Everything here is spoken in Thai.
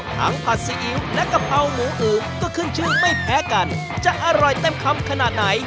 ผัดซีอิ๊วและกะเพราหมูอึ๋มก็ขึ้นชื่อไม่แพ้กันจะอร่อยเต็มคำขนาดไหน